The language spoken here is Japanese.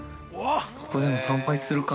ここでも参拝するか。